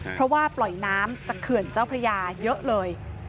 เพราะว่าปล่อยน้ำจากเขื่อนเจ้าพระยาเยอะเลย